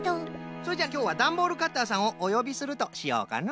それじゃきょうはダンボールカッターさんをおよびするとしようかの。